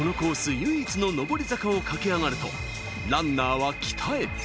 唯一の登り坂を駆け上がると、ランナーは北へ。